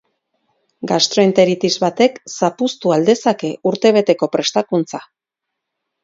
Gastroenteritis batek zapuztu al dezake urtebeteko prestakuntza?